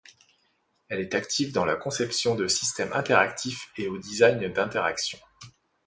Elle est active dans la conception de systèmes interactifs et au design d'interaction.